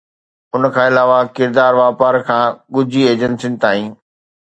ان کان علاوه، ڪردار واپار کان ڳجهي ايجنسين تائين